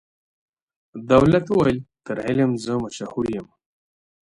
دولت وویل تر علم زه مشهور یم